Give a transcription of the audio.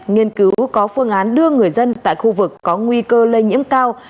nghiên cứu có phương án đưa người dân tại khu vực có nguy cơ lây nhiễm cao